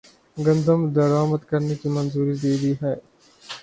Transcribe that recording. گندم درآمدکرنے کی منظوری دےدی ہے